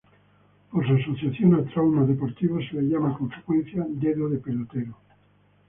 Por su asociación a traumas deportivos se le llama con frecuencia "dedo de pelotero".